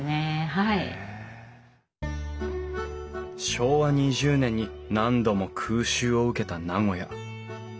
昭和２０年に何度も空襲を受けた名古屋。